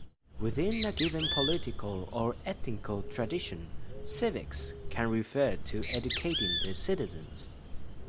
Within a given political or ethical tradition, "civics" can refer to educating the citizens.